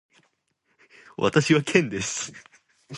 私はケンです。